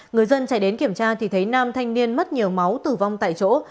người dân chạy đến kiểm tra thì thấy nam thanh niên mất nhiều máu tử vong tại chỗ